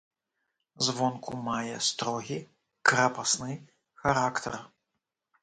Звонку мае строгі крапасны характар.